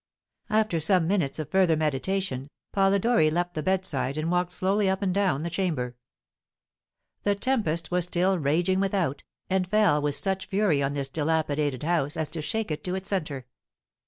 After some minutes of further meditation, Polidori left the bedside and walked slowly up and down the chamber. The tempest was still raging without, and fell with such fury on this dilapidated house as to shake it to its centre.